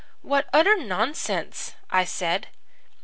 "What utter nonsense!" I said.